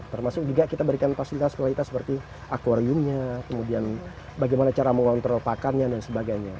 termasuk juga kita berikan fasilitas fasilitas seperti akwariumnya kemudian bagaimana cara mengontrol pakannya dan sebagainya